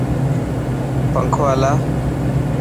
پنکو هلا.